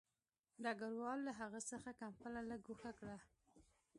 ډګروال له هغه څخه کمپله لږ ګوښه کړه